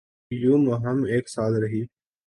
یوں مہم ایک سال رہی۔